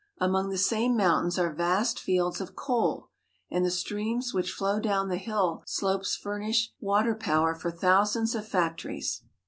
Among the same mountains are vast fields of coal, and the streams which flow down the hill slopes fur nish water power for thousands of factories.